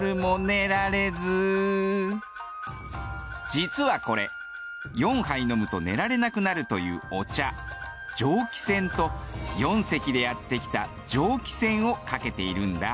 実はこれ４杯飲むと寝られなくなるというお茶上喜撰と４隻でやってきた蒸気船をかけているんだ。